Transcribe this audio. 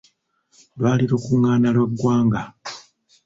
Lwali lukungaana lwa ggwanga..